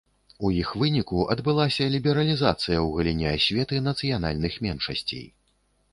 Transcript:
У іх выніку адбылася лібералізацыя ў галіне асветы нацыянальных меншасцей.